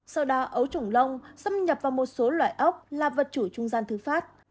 sau đó ấu trủng lông xâm nhập vào một số loại ốc là vật chủ trung gian thư phát